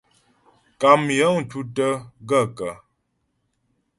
Kàm yəŋ tútə́ gaə̂kə̀ ?